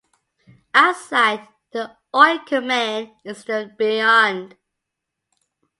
Outside the Oikumene is the Beyond.